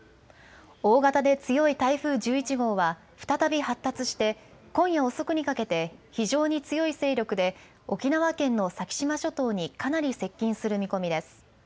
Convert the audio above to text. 大型で強い台風１１号は再び発達して今夜遅くにかけて非常に強い勢力で沖縄県の先島諸島にかなり接近する見込みです。